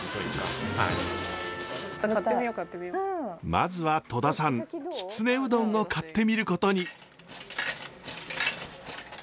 まずは戸田さんきつねうどんを買ってみることに。